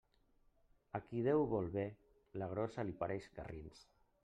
A qui Déu vol bé, la gossa li pareix garrins.